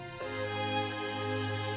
ketika berada di kota